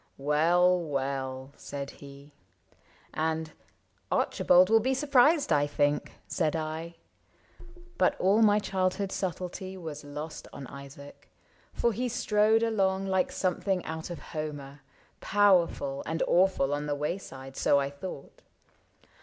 —" Well, well !" said he; And '' Archibald will be surprised, I think," Said I. But all my childhood subtlety Was lost on Isaac, for he strode along Like something out of Homer — powerful And awful on the wayside, so I thought.